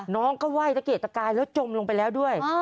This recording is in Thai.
น้องก็ไหว้ตะเกดตะกายแล้วจมลงไปแล้วด้วย